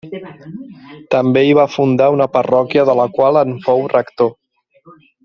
També hi va fundar una parròquia de la qual en fou rector.